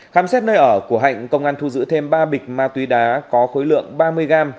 khám xét nơi ở của hạnh công an thu giữ thêm ba bịch ma túy đá có khối lượng ba mươi g